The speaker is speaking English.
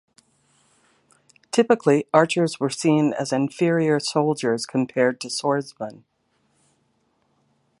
Typically, archers were seen as inferior soldiers compared to swordsmen.